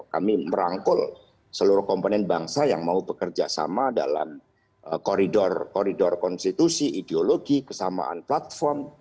kami merangkul seluruh komponen bangsa yang mau bekerjasama dalam koridor konstitusi ideologi kesamaan platform